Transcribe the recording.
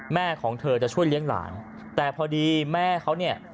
แม่ของเธอจะช่วยเลี้ยงหลานแต่พอดีแม่เขาเนี่ย